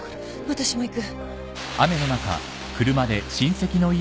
私も行く